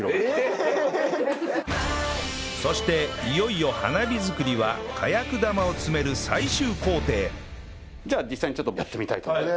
そしていよいよ花火作りは火薬玉を詰める最終工程じゃあ実際にやってみたいと思います。